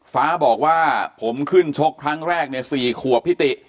ฟ้าบอกว่าผมขึ้นชกครั้งแรกใน๔ขวบ